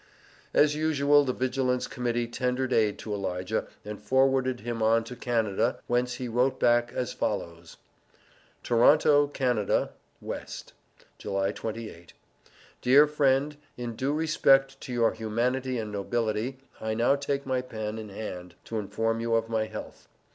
] As usual, the Vigilance Committee tendered aid to Elijah, and forwarded him on to Canada, whence he wrote back as follows: TORONTO, Canada West, July 28. Dear friend in due respect to your humanity and nobility I now take my pen in hand to inform you of my health.